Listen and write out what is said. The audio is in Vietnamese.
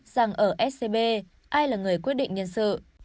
rằng ở scb ai là người quyết định nhân sự